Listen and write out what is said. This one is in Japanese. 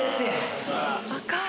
赤い。